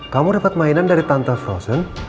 kamu dapat mainan dari tante frozen